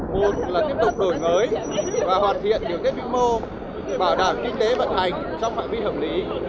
một là tiếp tục đổi mới và hoàn thiện điều tiết vĩ mô bảo đảm kinh tế vận hành trong mạng vi hợp lý